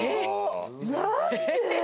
何で？